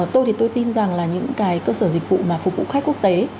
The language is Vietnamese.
tôi thì tôi tin rằng là những cái cơ sở dịch vụ mà phục vụ khách quốc tế